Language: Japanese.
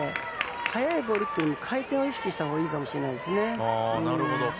速いボールというより回転を意識したほうがいいかもしれないですね。